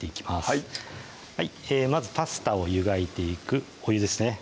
はいまずパスタを湯がいていくお湯ですね